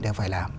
đều phải làm